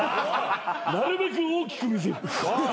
なるべく大きく見せる。